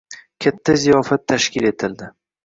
Katta ziyofat tashkil etildi